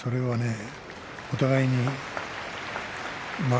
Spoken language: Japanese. お互いに。